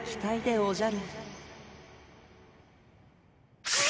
おじゃる。